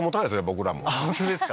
僕らも本当ですか？